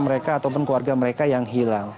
mereka ataupun keluarga mereka yang hilang